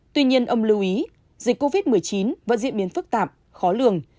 tuy nhiên ông lưu ý dịch covid một mươi chín vẫn diễn biến phức tạp khó lường